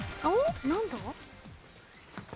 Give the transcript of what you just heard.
何だ？